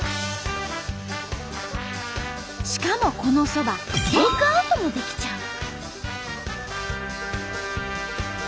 しかもこのそばテイクアウトもできちゃう！